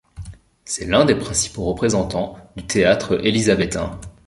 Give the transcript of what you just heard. C'est l'un des principaux représentants du théâtre élisabéthain.